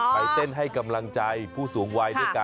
ไม่อยากให้รู้เป็นผู้หลัก